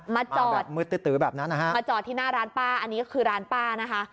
มาจอดมาจอดที่หน้าร้านป้าอันนี้ก็คือร้านป้านะคะ